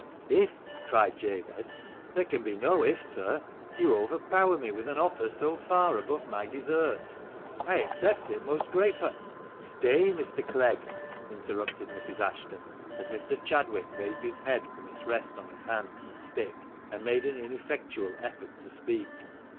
"IF !" cried Jabez, "there can be no 'if,' sir; you overpower me with an offer so far above my deserts. I accept it most gratefu " "Stay, Mr. Clegg," interrupted Mrs. Ashton, as Mr. Chadwick raised his head from its rest on his hands and stick, and made an ineffectual effort to speak.